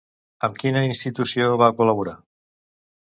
Amb quina institució va col·laborar?